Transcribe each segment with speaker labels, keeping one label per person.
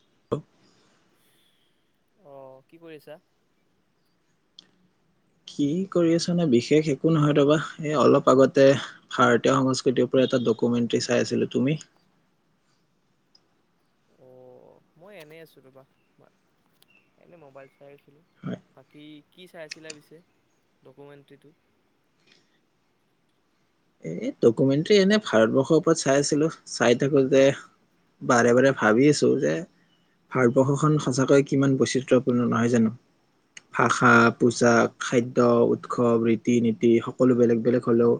Speaker 1: [unintelligible]
Speaker 2: অহ, কি কৰি আছা?
Speaker 1: কি কৰি আছানে বিশেষ একো নহয় ৰ'বা, এই অলপ আগতে ভাৰতীয় সংস্কৃতিৰ ওপৰ এটা ডকুমেণ্টী চাই আছিলোঁ। তুমি?
Speaker 2: অহ, মই এনেই আছোঁ ৰ'বা অকমান। এনেই মোবাইল চাই আছিলোঁ।
Speaker 1: হয়
Speaker 2: বাকী কি চাই আছিলা পিছে ডকুমেণ্টৰীটো?
Speaker 1: এই ডকুমেণ্টী এনেই ভাৰতবৰ্ষৰ ওপৰত চাই আছিলোঁ, চাই থাকোঁতে বাৰে বাৰে ভাবি আছোঁ যে হয় পশুষণ সঁচাকৈ কিমান বৈচিত্ৰ্যপূৰ্ণ নহয় জানো? ভাষা, পোচাক,
Speaker 2: হয়,
Speaker 1: খাদ্য, উৎসৱ, ৰীতি-নীতি সকলো বেলেগ বেলেগ হ'লেও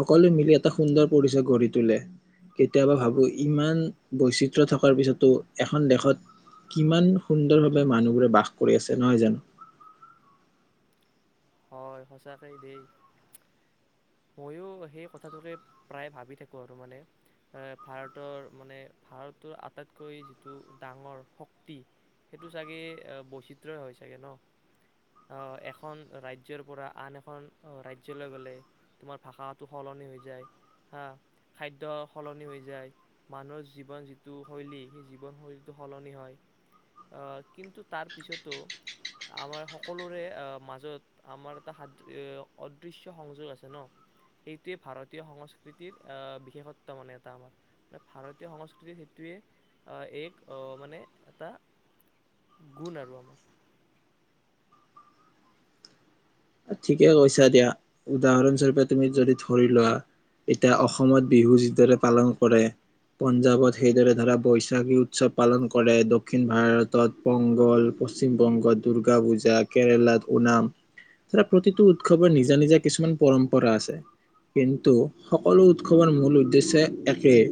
Speaker 1: সকলোৱে মিলি এটা সুন্দৰ পৰিচয় গঢ়ি তোলে। কেতিয়াবা ভাবোঁ ইমান বৈচিত্ৰ থকাৰ পিছতো এখন দেশত কিমান সুন্দৰ ভাৱে মানুহবোৰে বাস কৰি আছে, নহয় জানো?
Speaker 2: হয়, সঁচাকেই দেই। মইয়ো সেই কথাটোকে প্ৰায়ে ভাবি থাকোঁ আৰু মানে। এ, ভাৰতৰ মানে ভাৰতৰ আটাইতকৈ যিটো ডাঙৰ শক্তি সেইটো চাগে বৈচিত্ৰই হয় চাগে ন'। অহ, এখন ৰাজ্যৰ পৰা আন এখন ৰাজ্যলৈ গ'লে তোমাৰ ভাষাটো সলনি হৈ যায় হা, খাদ্য সলনি হৈ যায়। মানুহৰ জীৱন যিটো শৈলী, সেই জীৱনশৈলীটো সলনি হয়। অহ, কিন্তু তাৰপিছতো আমাৰ সকলোৰে মাজত আহ, আমাৰ এটা সাদৃ-অদৃশ্য সংযোগ আছে ন'। সেইটোৱে ভাৰতীয় সংস্কৃতিৰ আহ, বিশেষত্ব মানে এটা আমাৰ। ভাৰতীয় সংস্কৃতিত সেইটোৱে আহ, এক অ' মানে এটা গুণ আৰু আমাৰ।
Speaker 1: ঠিকেই কৈছা দিয়া, উদাহৰণস্বৰূপে তুমি যদি ধৰি লোৱা এতিয়া অসমত বিহু যিদৰে পালন কৰে। পঞ্জাৱত সেইদৰে ধৰা বৈশাগী উৎসৱ পালন কৰে, দক্ষিণ ভাৰতত বংগল, পশ্চিম বংগত দুৰ্গা পূজা, কেৰেলাত ওনাম। ধৰা প্ৰতিটো উৎসৱৰ নিজা নিজা কিছুমান পৰম্পৰা আছে। কিন্তু সকলো উৎসৱৰ মূল উদ্দেশ্যে একেই।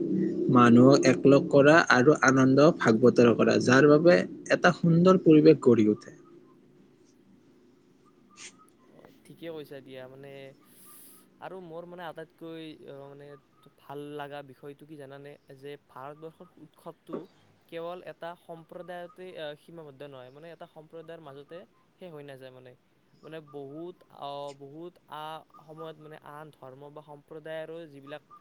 Speaker 1: মানুহক একলগ কৰা আৰু আনন্দক ভাগ বতৰা কৰা, যাৰ বাবে এটা সুন্দৰ পৰিৱেশ গঢ়ি উঠে। থ্ৰথ
Speaker 2: অ' ঠিকে কৈছা দিয়া, মানে আৰু মোৰ মানে আটাইতকৈ মানে- ' ভাল লাগা বিষয়টো কি জানানে যে ভাৰতবৰ্ষৰ উৎসৱটো- কেৱল এটা সম্প্ৰদায়তেই সীমাবদ্ধ নহয়, মানে এটা সম্প্ৰদায়ৰ মাজতে- শেষ হৈ নাযায় মানে। মানে বহুত অ' বহুত আ, সময়ত মানে আন ধৰ্ম বা সম্প্ৰদায়ৰো যিবিলাক-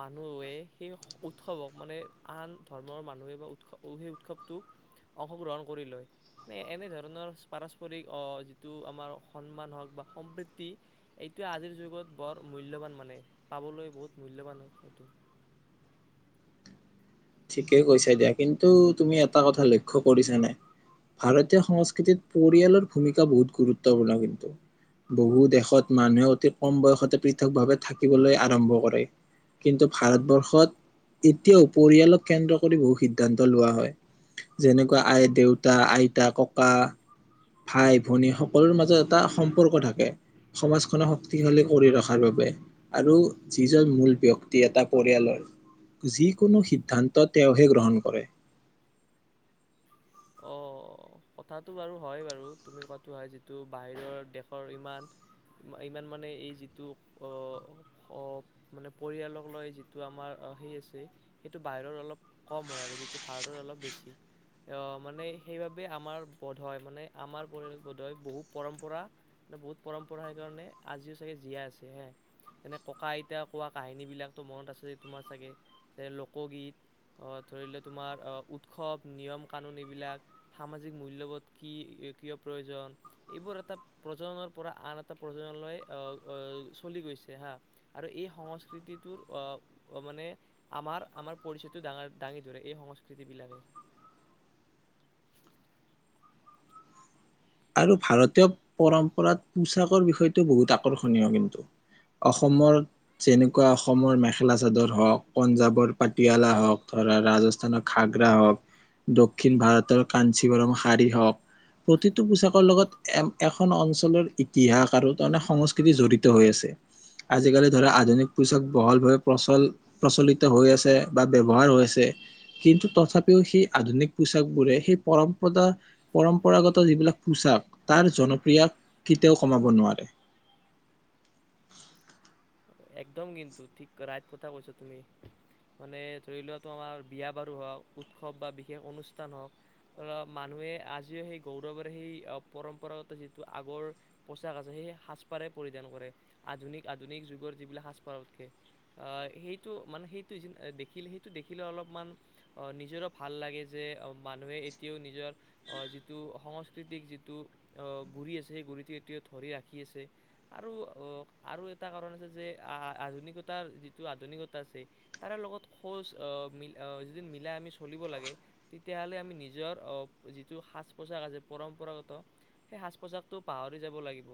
Speaker 2: মানুহ ওয়ে সেই- উৎসৱক মানে আন ধৰ্মৰ মানুহে বা উৎস সেই উৎসৱটো- অংশগ্ৰহণ কৰি লয়, নে এনেধৰণৰ পাৰস্পৰিক অ' যিটো আমাৰ- সন্মান হওঁক বা সম্প্ৰীতি- এইটোৱে আজিৰ যুগত বৰ মূল্যৱান মানে, পাবলৈ বহুত মূল্যৱান হয় এইটো।
Speaker 1: ঠিকেই কৈছা দিয়া, কিন্তু তুমি এটা কথা লক্ষ্য কৰিছানে? ভাৰতীয় সংস্কৃতিত পৰিয়ালৰ ভূমিকা বহুত গুৰুত্বপূৰ্ণ কিন্তু। বহু দেশত মানুহে অতি কম
Speaker 2: অ
Speaker 1: বয়সতে পিত- ভাৱে থাকিবলৈ আৰম্ভ কৰে কিন্তু ভাৰতবৰ্ষত এতিয়াওঁ পৰিয়ালত- কেন্দ্ৰ কৰি বহু সিদ্ধান্ত লোৱা হয় যেনেকুৱা আই
Speaker 2: হয়।
Speaker 1: দেউতা, আইতা, ককা। ভাই, ভনী সকলোৰ মাজত এটা সম্পৰ্ক থাকে। সমাজখনে শক্তিশালী কৰি ৰখাৰ বাবে- আৰু যি জন মূল ব্যক্তি এটা পৰিয়ালৰ- যিকোনো সিদ্ধান্ত তেওঁহে গ্ৰহণ কৰে।
Speaker 2: অঁ কথাটো বাৰু হয় বাৰু তুমি কোৱাটো হয় যিটো বাহিৰৰ দেশৰ ইমান- ইমান মানে এই যিটো ক- অঁ মানে পৰিয়ালক লৈ যিটো আমাৰ সেই আছে। সেইটো বাহিৰত অলপ কম হঁয় আৰু যিটো ভাৰতত অলপ বেছি। আহ মানে সেইবাবে আমাৰ বোধয় মানে আমাৰ পৰিয়াল বোধই বহু পৰম্পৰা- এ বহুত পৰম্পৰা সেইকাৰণে আজিও চাগে জীয়াই আছে হে। যেনে ককা আইতা কোৱা কাহিনীবিলাকতো মনত আছে তোমাৰ চাগে যে লোকগীত। অঁ ধৰি লৈ তোমাৰ আহ উৎসৱ নিয়ম কানুন এইবিলাক- সামাজিক মূল্যবোধ কি কিয় প্ৰয়োজন? এইবোৰ এটা প্ৰজনৰ পৰা আন এটা প্ৰজনলৈ আ আহ চলি গৈছে হা। আৰু এই সংস্কৃতিটোৰ অ মানে। আমাৰ আমাৰ পৰিচয়টো ডাঙ দাঙি ধৰে এই সংস্কৃতি বিলাকে। [unintelligible]
Speaker 1: আৰু ভাৰতীয় পৰম্পৰাত পোচাকৰ বিষয়টো বহুত আকৰ্ষণীয় কিন্তু। অসমৰ- যেনেকুৱা অসমৰ মেখেলা চাদৰ হওঁক পঞ্জাৱৰ পাটিয়ালা হওঁক ধৰা ৰাজ- ঘাগ্ৰা হওঁক দক্ষিণ ভাৰতৰ কাঞ্চী গৰম শাৰি হওঁক প্ৰতি- এই পোছাকৰ লগত এ এখন অঞ্চলৰ ইতিহাস আৰু তাৰমানে সংস্কৃতি জড়িত হৈ আছে। আজিকালি ধৰা আধুনিক পুচাক বহলভাৱে প্ৰচল- প্ৰচলিত হৈ আছে বা ব্যৱহাৰ হৈ আছে। কিন্তু তথাপিও সেই আধুনিক পোচাক বোৰে সেই পৰম্পদা পৰম্পৰাগত যিবিলাক- পোচাক তাৰ জনপ্ৰিয়া কেতিয়াওঁ কমাব নোৱাৰে।
Speaker 2: একদম কিন্তু ঠিক ৰাইত কথা কৈছা তুমি। মানে ধৰি লোৱাটো তোমাৰ বিয়া বাৰু হওঁক উৎসৱ বা বিশেষ অনুষ্ঠান হওঁক। ধৰ মানুহে আজিও সেই গৌৰৱৰে সেই পৰম্পৰাগত যিটো আগৰ- পুচাক আছে সেই সাজপাৰেই পৰিধান কৰে, আধুনিক আধুনিক যুগৰ যিবিলাক সাজপাৰতকে। আহ, সেইটো মানে সেইটো দেখিলে সেইটো দেখিলে অলপমান আহ, নিজৰো ভাল লাগে যে মানুহে এতিয়াও নিজৰ আহ, যিটো সংস্কৃতিক যিটো আহ, গুৰি আছে সেই গুৰিটো এতিয়াও ধৰি ৰাখি আছে। আৰু আৰু এটা কাৰণ আছে যে আধুনিকতাৰ যিটো আধুনিকতা আছে তাৰে লগত খোজ অ' যদি অ' মিলাই আমি চলিব লাগে তেতিয়াহ'লে আমি নিজৰ যিটো অ' সাজপোছাক আছে পৰম্পৰাগত সেই সাজপোছাকটো পাহৰি যাব লাগিব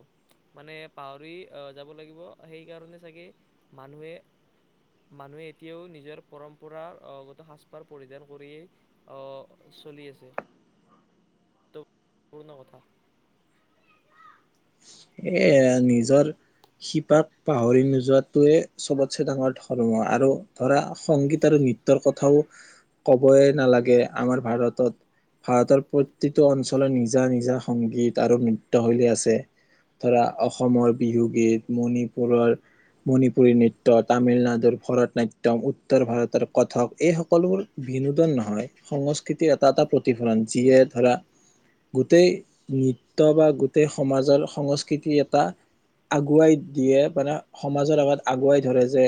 Speaker 2: মানে পাহৰি আহ, যাব লাগিব সেইকাৰণে চাগে মানুহে মানুহে এতিয়াও নিজৰ পৰম্পৰাগত সাজপাৰ পৰিধান কৰিয়ে অ' চলি আছে। পূৰ্ণ কথা।
Speaker 1: এ, নিজৰ শিপাক পাহৰি নোযোৱাটোৱে চবতছে ডাঙৰ ধৰ্ম আৰু ধৰা সংগীত আৰু নৃত্যৰ কথাও কবয়ে নালাগে আমাৰ ভাৰতত। ভাৰতৰ প্ৰতিটো অঞ্চলত নিজা নিজা সংগীত আৰু নৃত্য শৈলী আছে। ধৰা অসমৰ বিহুগীত, মণিপুৰৰ মণিপুৰী নৃত্য, তামিলনাডুৰ ভৰতনাট্যম, উত্তৰ ভাৰতৰ কথক এই সকলোবোৰ বিনোদন নহয় সংস্কৃতিৰ এটা এটা প্ৰতিফলন যিয়ে ধৰা গোটেই নৃত্য বা গোটেই সমাজৰ সংস্কৃতিৰ এটা আগুৱাই দিয়ে মানে সমাজৰ আগত আগুৱাই ধৰে যে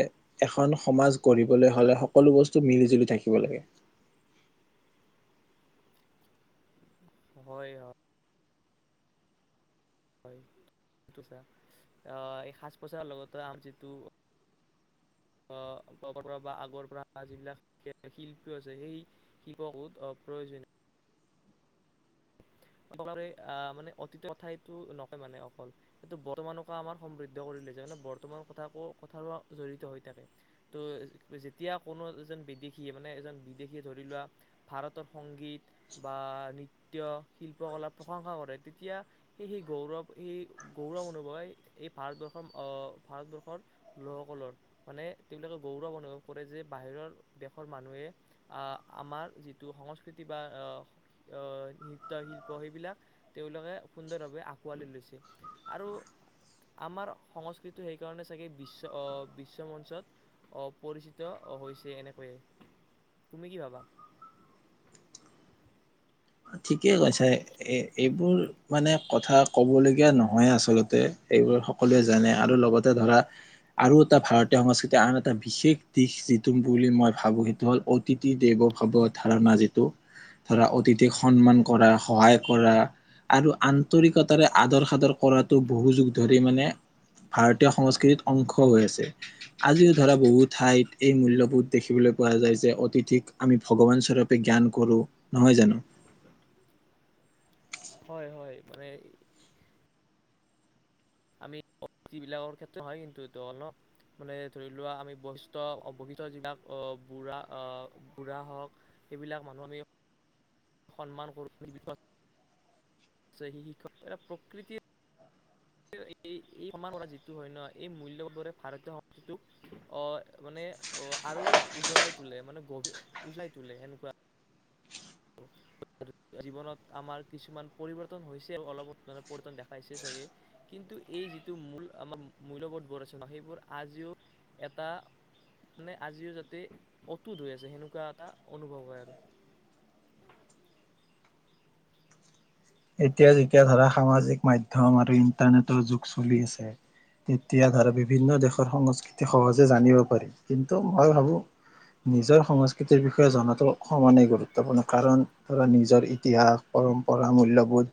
Speaker 1: এখন সমাজ গঢ়িবলৈ হ'লে সকলো বস্তু মিলি জুলি থাকিব লাগে।
Speaker 2: হয় হ হয়, এই সাজ পোছাকৰৰ লগতে আম যিটো অ' বৰ পৰা বা আগৰ পৰা যিবিলাক শিল্পী আছে সেই শিককোত প্ৰয়োজনীয়। [unintelligible] আহ, মানে অতীতৰ কথাইতো নকয় মানে অকল। সেইটো বৰ্তমানকে আমাৰ সমৃদ্ধ কৰি লৈছে মানে বৰ্তমান কথাকো কথাৰ জড়িত হৈ থাকে। ত' যেতিয়া কোনো এজন বিদেশী মানে এজন বিদেশীয়ে ধৰি লোৱা ভাৰতৰ সংগীত বা নৃত্য, শিল্পকলা প্ৰশংসা কৰে তেতিয়া সেই সেই গৌৰৱ, সেই গৌৰৱ অনুভৱে এই ভাৰতবৰ্ষৰ অ' ভাৰতবৰ্ষৰ লোকসকলৰ, মানে তেওঁলোকে গৌৰৱ অনুভৱ কৰে যে বাহিৰৰ দেশৰ মানুহে আ, আমাৰ যিটো সংস্কৃতি বা অ', অ' নৃত্য, শিল্প সেইবিলাক তেওঁলোকে সুন্দৰভাৱে আকোৱালি লৈছে আৰু আমাৰ সংস্কৃতিটো সেইকাৰণে চাগে বিশ্ব অ' বিশ্ব মঞ্চত অ' পৰিচিত হৈছে এনেকৈয়ে। তুমি কি ভাবা?
Speaker 1: ঠিকেই কৈছা, এ-এইবোৰ মানে কথা ক'বলগীয়া নহয় আচলতে, এইবোৰ সকলোৱে জানে আৰু লগতে ধৰা আৰু এটা ভাৰতীয় সংস্কৃতিৰ আন এটা বিশেষ দিশ যিটো বুলি মই ভাবোঁ সেইটো হ'ল অত তিথি দেৱ ভাৱ ধাৰণা যিটো ধৰা অতিথ থি সন্মান কৰা, সহায় কৰা আৰু আন্তৰিকতাৰে আদৰ সাদৰ কৰাটো বহু যুগ ধৰি মানে ভাৰতীয় সংস্কৃতিত অংশ হৈ আছে। আজিও ধৰা বহু ঠাইত এই মূল্যবোধ দেখিবলৈ পোৱা যায় যে অতিথিক আমি ভগৱান স্বৰূপে জ্ঞান কৰোঁ, নহয় জানো?
Speaker 2: হয় হয়, মানে আমি [unintelligible] বিলাকৰ ক্ষেত্ৰত হয় কিন্তু এইটো অলপ। মানে ধৰি লোৱা আমি বয়স্ত অবিহিত যিবিলাক বুঢ়া, আ, বুঢ়া হওঁক সেইবিলাক মানুহ আমি সন্মান কৰোঁ [unintelligible] [unintelligible] প্ৰকৃতি এই এই সমান কৰা যিটো হয় ন' এই মূল্যবোৰে ভাৰতীয় সিটোক অ' মানে অ' আৰু উজ্বলাই তোলে মানে গভীৰ উজ্বাই তোলে এনেকুৱা। [inaudible] আৰু জীৱনত আমাৰ কিছুমান পৰিৱৰ্তন হৈছে, অলপ মে পৰিৱৰ্তন দেখাইছে চাগে। কিন্তু এই যিটো মূল [unintelligible] মূল্যবোধবোৰ আছেনা সেইবোৰ আজিও এটা মানে আজিও যাতে অটুট হৈ আছে সেনেকুৱা এটা অনুভৱ হয় আৰু।
Speaker 1: এতিয়া যেতিয়া ধৰা সামাজিক মাধ্যম আৰু ইন্টাৰনেটৰ যুগ চলি আছে তেতিয়া ধৰা বিভিন্ন দেশৰ সংস্কৃতি সহজে জানিব পাৰি কিন্তু মই ভাবোঁ নিজৰ সংস্কৃতিৰ বিষয়ে জনাতো সমানে গুৰুত্বপূৰ্ণ কাৰণ ধৰা নিজৰ ইতিহাস, পৰম্পৰা, মূল্য বোধ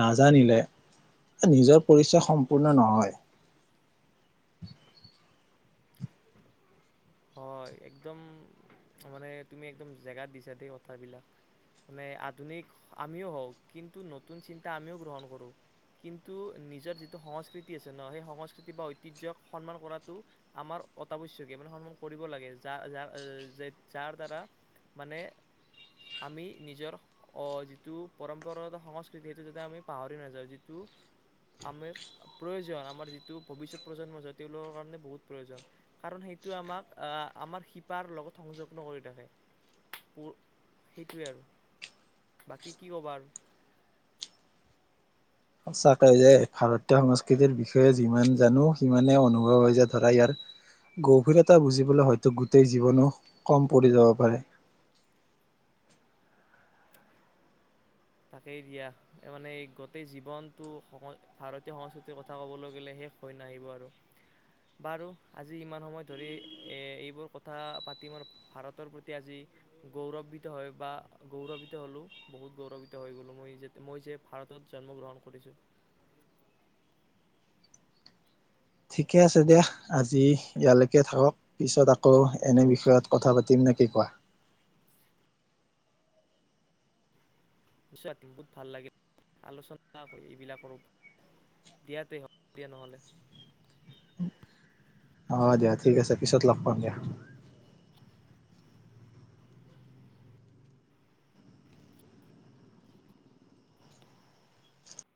Speaker 1: নাজানিলে এ, নিজৰ পৰিচয় সম্পূৰ্ণ নহয়।
Speaker 2: হয়, একদম মানে তুমি একদম জেগাত দিছা দেই কথাবিলাক। মানে আধুনিক আমিও হওঁ কিন্তু নতুন চিন্তা আমিও গ্ৰহণ কৰোঁ। কিন্তু নিজৰ যিটো সংস্কৃতি আছে ন' সেই সংস্কৃতি বা ঐতিহ্যক সন্মান কৰাটো আমাৰ অতাৱশ্যকীয় মানে [unintelligible] কৰিব লাগে যা-যা-যেত-যাৰ দ্বাৰা মানে আমি নিজৰ অ' যিটো পৰম্পৰাগত সংস্কৃতি সেইটো যাতে আমি পাহৰি নাযাওঁ, যিটো আমিৰ প্ৰয়োজন আমাৰ যিটো ভৱিষ্যত প্ৰজন্মৰ তেওঁলোকৰ কাৰণে বহুত প্ৰয়োজন, কাৰণ সেইটো আমাক আ, আমাৰ শিপাৰ লগত সংযগ্ন কৰি থাকে, পো, সেইটোৱে আৰু। বাকী কি ক'বা আৰু?
Speaker 1: সঁচাকৈ যে ভাৰতীয় সংস্কৃতিৰ বিষয়ে যিমান জানো, সিমানে অনুভৱ হয় যে ধৰা ইয়াৰ গভীৰতা বুজিবলৈ হয়তো গোটেই জীৱনো কম পৰি যাব পাৰে।
Speaker 2: তাকেই দিয়া, মানে গোটেই জীৱনটো ভাৰতীয় সংস্কৃতিৰ কথা ক'বলৈ গ'লে শেষ হৈ নাহিব আৰু। বাৰু আজি ইমান সময় ধৰি এ, এইবোৰ কথা পাতি মই ভাৰতৰ প্ৰতি আজি গৌৰবিত্ত হয় বা গৌৰবিত্ত হ'লেও বহুত গৌৰব ত' হৈ গ'লো মই যে মই যে ভাৰতত জন্মগ্ৰহণ কৰিছোঁ।
Speaker 1: ঠিকে আছে দিয়া, আজি ইয়ালৈকে থাকক। পিছত আকৌ এনে বিষয়ত কথা পাতিম নে কি কোৱা।
Speaker 2: নিশ্চয় বহুত ভাল লাগে, আলোচনা কৰি এইবিলাকৰ উপ দিয়া তে, হ'ব দিয়া নহ'লে।
Speaker 1: অ দিয়া ঠিক আছে পিছত লগ পাম দিয়া।